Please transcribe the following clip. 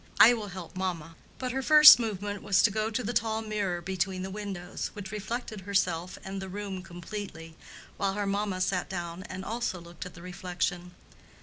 "I will help mamma." But her first movement was to go to the tall mirror between the windows, which reflected herself and the room completely, while her mamma sat down and also looked at the reflection.